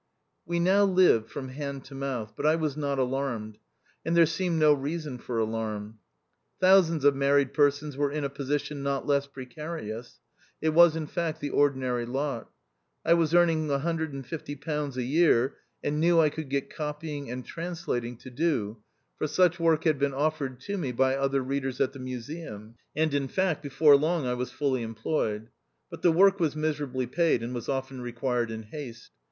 We now lived from hand to mouth, but I was not alarmed ; and there seemed no reason for alarm. Thousands of mar ried persons were in a position not less precarious ; it was, in fact, the ordinary lot. I was earning £150 a year, and knew I could get copying and translating to do, 1 82 THE OUTCAST. for such work had been offered to me by other readers at the Museum. And, in fact, before long I was fully employed. But the work was miserably paid, and was often required in haste.